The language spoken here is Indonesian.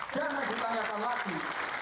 jangan ditanyakan lagi